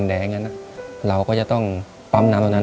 ในแคมเปญพิเศษเกมต่อชีวิตโรงเรียนของหนู